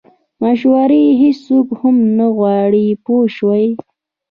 مشورې هیڅوک هم نه غواړي پوه شوې!.